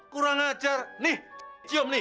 kurang ajar nih cium nih